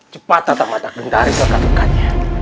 cepat datang mata gentari selkat lekatnya